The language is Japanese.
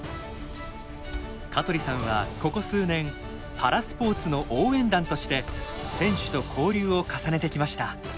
香取さんはここ数年パラスポーツの応援団として選手と交流を重ねてきました。